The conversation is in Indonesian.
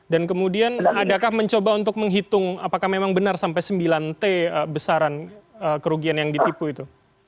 dan kemudian adakah mencoba untuk menghitung apakah memang benar sampai sembilan t besaran kerugian yang ditipu itu